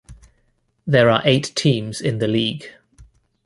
There are eight teams in the league.